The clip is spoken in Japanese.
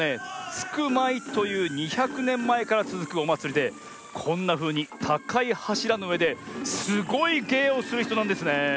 「つくまい」という２００ねんまえからつづくおまつりでこんなふうにたかいはしらのうえですごいげいをするひとなんですねえ。